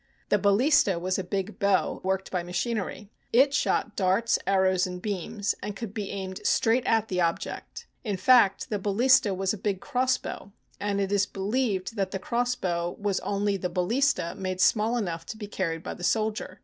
The ballista was a big bow, worked by machin ery. It shot darts, arrows, and beams, and could be aimed straight at the object. In fact, the ballista was a big cross bow, and it is believed that the cross bow was only the ballista made small enough to be carried by the soldier.